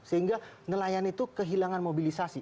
sehingga nelayan itu kehilangan mobilisasi